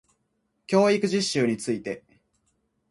教育実習について